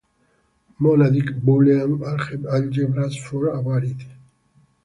Monadic Boolean algebras form a variety.